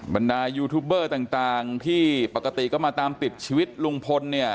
บรรดายูทูบเบอร์ต่างที่ปกติก็มาตามติดชีวิตลุงพลเนี่ย